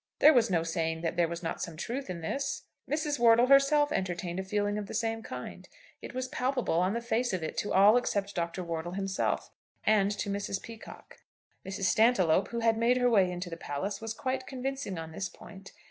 There was no saying that there was not some truth in this? Mrs. Wortle herself entertained a feeling of the same kind. It was palpable, on the face of it, to all except Dr. Wortle himself, and to Mrs. Peacocke. Mrs. Stantiloup, who had made her way into the palace, was quite convincing on this point.